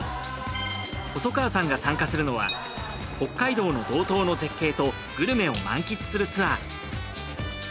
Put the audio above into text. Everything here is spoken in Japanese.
細川さんが参加するのは北海道の道東の絶景とグルメを満喫するツアー。